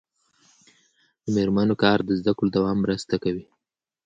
د میرمنو کار د زدکړو دوام مرسته کوي.